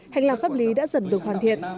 hành lạc pháp lý đã dần được hoàn thiện